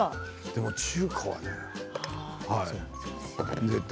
でも中華はね。